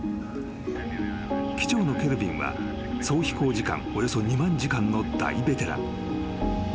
［機長のケルヴィンは総飛行時間およそ２万時間の大ベテラン］